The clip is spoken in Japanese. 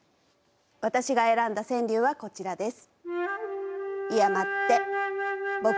私が選んだ川柳は、こちらです。